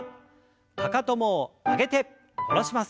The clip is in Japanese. かかとも上げて下ろします。